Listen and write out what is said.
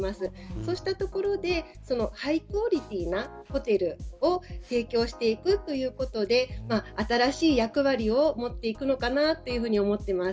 そうしたところでハイクオリティーなホテルを提供していくということで新しい役割を持っていくのかなと思っています。